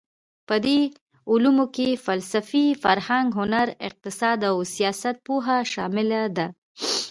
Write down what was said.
په دې علومو کې فېلسوفي، فرهنګ، هنر، اقتصاد او سیاستپوهه شامل دي.